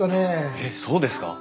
えっそうですか？